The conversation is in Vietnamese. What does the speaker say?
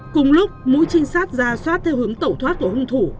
cùng lúc mũi trinh sát ra soát theo hướng tẩu thoát của hung thủ